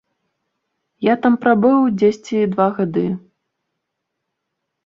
Я там прабыў дзесьці два гады.